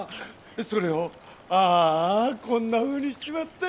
それをああこんなふうにしちまって！